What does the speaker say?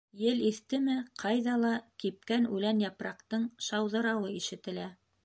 Ел иҫтеме, ҡайҙа ла кипкән үлән-япраҡтың шауҙырауы ишетелә.